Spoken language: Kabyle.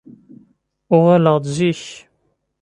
Uɣaleɣ-d zik.